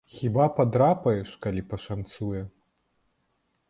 Хіба падрапаеш, калі пашанцуе.